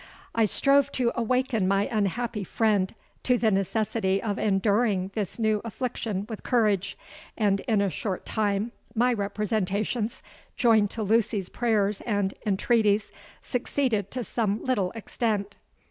I strove to awaken my unhappy friend to the necessity of enduring this new affliction with courage; and in a short time my representations, joined to Lucy's prayers and entreaties, succeeded to some little extent.